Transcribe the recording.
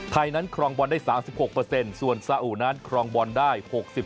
นั้นครองบอลได้๓๖ส่วนซาอุนั้นครองบอลได้๖๐